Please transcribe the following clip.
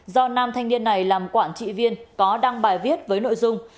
do nam thanh niên này làm quản trị viên có đăng bài viết với nội dung